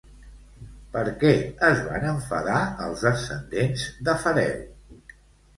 Per què es van enfadar els descendents d'Afareu?